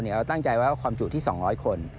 เราตั้งใจว่าความจุที่๒๐๐คน